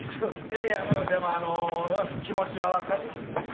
いやいやでもうん気持ちは分かるよ。